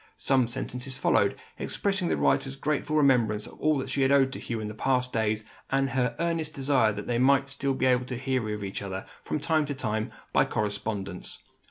Some sentences followed, expressing the writer's grateful remembrance of all that she had owed to Hugh in past days, and her earnest desire that they might still hear of each other, from time to time, by correspondence.